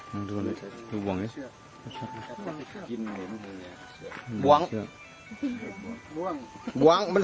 พร้อมแก้มมีจะได้ไว้สิ